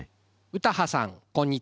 ・詩羽さんこんにちは。